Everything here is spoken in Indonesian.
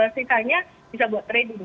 sisanya bisa buat trading